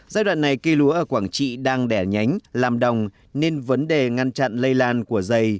giai đoạn này cây lúa ở quảng trị đang đẻ nhánh làm đồng nên vấn đề ngăn chặn lây lan của dày